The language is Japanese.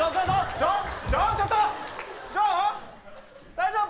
大丈夫？